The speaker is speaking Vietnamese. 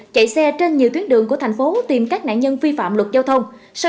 chạy xe trên nhiều tuyến đường của thành phố tìm các nạn nhân vi phạm luật giao thông